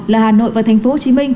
là hà nội và tp hcm